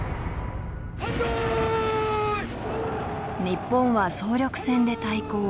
日本は総力戦で対抗。